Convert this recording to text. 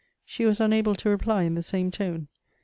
She was unable to reply in the same tone.